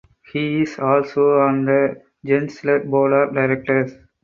He is also on the Gensler board of directors.